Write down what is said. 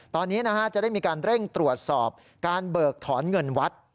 ตอนนี้จะได้มีการเร่งตรวจสอบการเบิกถอนเงินวัด